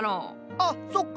あっそっか。